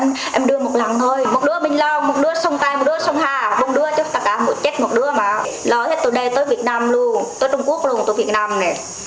một đứa minh long một đứa song tai một đứa song ha bốn đứa cho tất cả một chiếc một đứa mà